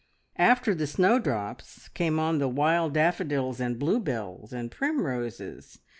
After the snowdrops came on the wild daffodils and bluebells and primroses.